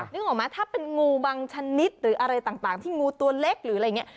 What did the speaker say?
นึกออกไหมถ้าเป็นงูบางชนิดหรืออะไรต่างที่งูตัวเล็กหรืออะไรอย่างนี้